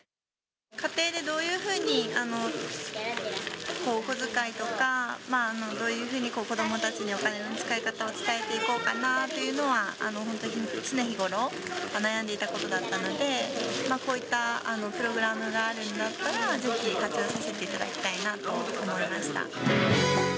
家庭でどういうふうにお小遣いとか、どういうふうに子どもたちにお金の使い方を伝えていこうかなというのは、本当に常日頃から悩んでいたことだったのでこういったプログラムがあるんだったら、ぜひ活用させていただきたいなと思いました。